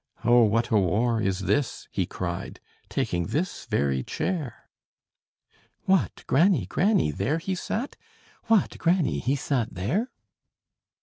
'Oh, what a war is this!' he cried, Taking this very chair." "What! granny, granny, there he sat? What! granny, he sat there?"